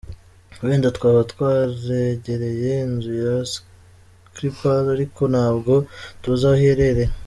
"Wenda twaba twaregereye inzu ya Skripal, ariko ntabwo tuzi aho iherereye.